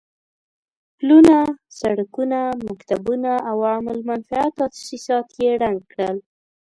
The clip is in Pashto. پلونه، سړکونه، مکتبونه او عام المنفعه تاسيسات يې ړنګ کړل.